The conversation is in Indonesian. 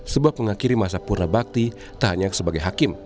sebab mengakhiri masa purna bakti tak hanya sebagai hakim